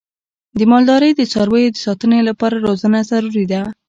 د مالدارۍ د څارویو د ساتنې لپاره روزنه ضروري ده.